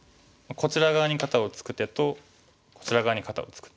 こちら側に肩をツク手とこちら側に肩をツク